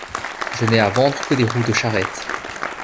Je n’ai à vendre que des roues de charrette.